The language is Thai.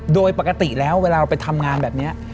โดยปกติแล้วเวลาเราไปทำงานแบบนี้